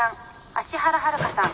芦原遥香さん。